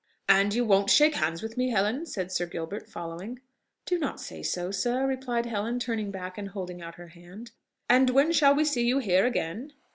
"And you won't shake hands with me, Helen!" said Sir Gilbert, following. "Do not say so, sir," replied Helen, turning back and holding out her hand. "And when shall we see you here again?"